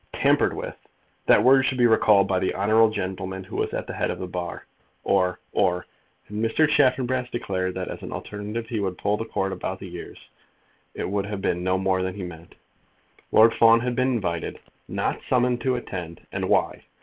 "Tampered with! That word should be recalled by the honourable gentleman who was at the head of the bar, or or " Had Mr. Chaffanbrass declared that as an alternative he would pull the Court about their ears, it would have been no more than he meant. Lord Fawn had been invited, not summoned to attend; and why?